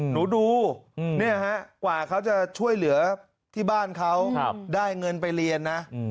ดูกว่าเขาจะช่วยเหลือที่บ้านเขาได้เงินไปเรียนนะ